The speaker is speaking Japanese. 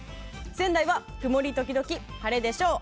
仙台は曇り時々晴れでしょう。